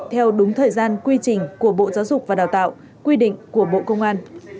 theo đúng thời gian quy trình của bộ giáo dục và đào tạo quy định của bộ công an